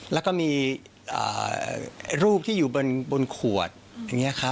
และมีรูปที่อยู่บนขวดอืม